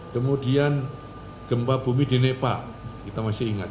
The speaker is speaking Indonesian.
kemudian gempa bumi di nepa kita masih ingat